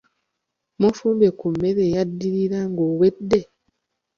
Mufumbye ku mmere yaddirira ng’owedde.